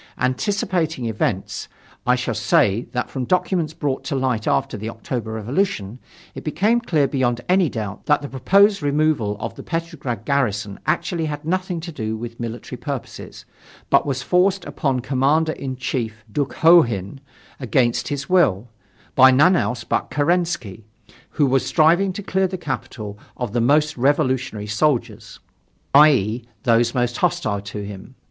Anticipating events. I shall say, that from documents brought to light after the October Revolution it became clear beyond any doubt that the proposed removal of the Petrograd garrison actually had nothing to do with military purposes, but was forced upon Commander in Chief Dukhonin, against his will, by none else but Kerensky, who was striving to clear the capital of the most revolutionary soldiers, i.e., those most hostile to him.